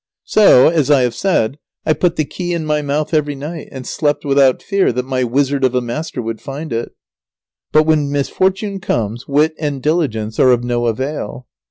So, as I have said, I put the key in my mouth every night, and slept without fear that my wizard of a master would find it. But when misfortune comes, wit and diligence are of no avail.